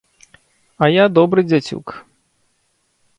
А я добры дзяцюк.